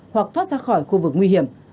hoặc thoát ra khỏi khu vực nguy hiểm